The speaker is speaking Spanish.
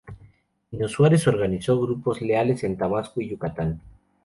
Pino Suárez organizó grupos leales en Tabasco y Yucatán.